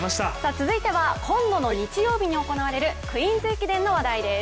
続いては今度の日曜日に行われるクイーンズ駅伝の話題です。